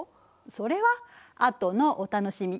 それはあとのお楽しみ。